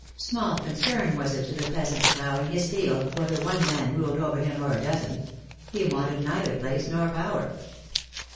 Small concern was it, to the peasant plowing his field, whether one man ruled over him or a dozen. He wanted neither place nor power.